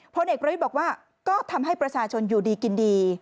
พลเอกประวิทย์บอกว่าก็ทำให้ประชาชนอยู่ดีกินดี